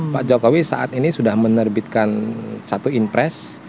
pak jokowi saat ini sudah menerbitkan satu impres